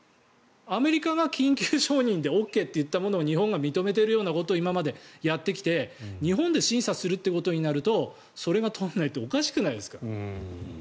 アメリカが緊急承認でＯＫといったものを日本が認めているようなことを今までやってきて日本で審査するってことになるとそれが通らないっておかしくないですか？